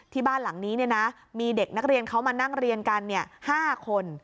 ที่บ้านหลังนี้เนี่ยนะมีเด็กนักเรียนเขามานั่งเรียนกันเนี่ย๕คน